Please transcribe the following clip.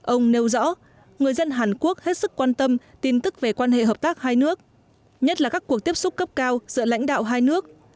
ông nêu rõ người dân hàn quốc hết sức quan tâm tin tức về quan hệ hợp tác hai nước nhất là các cuộc tiếp xúc cấp cao giữa lãnh đạo hai nước